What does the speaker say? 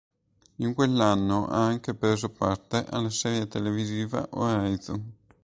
In quell'anno ha anche preso parte alla serie televisiva "Horizon".